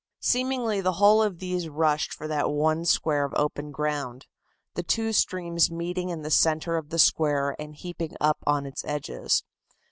Seemingly the whole of these rushed for that one square of open ground, the two streams meeting in the centre of the square and heaping up on its edges.